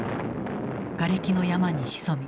がれきの山に潜み